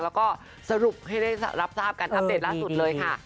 แล้วก็สรุปให้ได้รับทราบกันอัปเดตล่าสุดเลยค่ะ